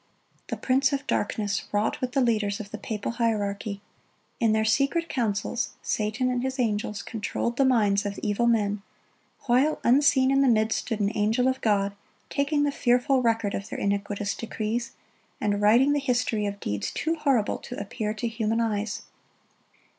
The prince of darkness wrought with the leaders of the papal hierarchy. In their secret councils, Satan and his angels controlled the minds of evil men, while unseen in the midst stood an angel of God, taking the fearful record of their iniquitous decrees, and writing the history of deeds too horrible to appear to human eyes.